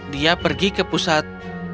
dia pergi ke pusat